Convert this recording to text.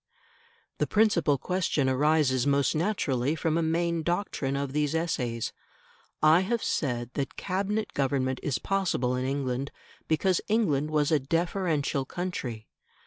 The principal question arises most naturally from a main doctrine of these essays. I have said that Cabinet government is possible in England because England was a deferential country.